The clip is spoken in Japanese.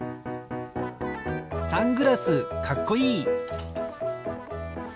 サングラスかっこいい！